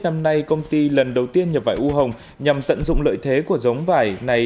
năm nay công ty lần đầu tiên nhập vải u hồng nhằm tận dụng lợi thế của giống vải này